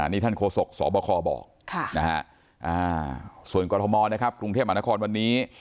นี่ท่านโฆษกสบคบอกส่วนกรทมนะครับกรุงเทพมหานครวันนี้